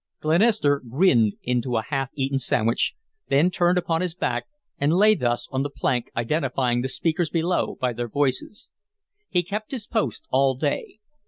Glenister grinned into a half eaten sandwich, then turned upon his back and lay thus on the plank, identifying the speakers below by their voices. He kept his post all day.